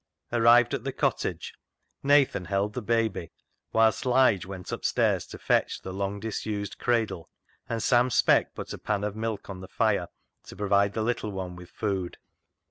Arrived at the cottage, Nathan held the baby whilst Lige went upstairs to fetch the long disused cradle, and Sam Speck put a pan of milk on the fire to provide the little one with food.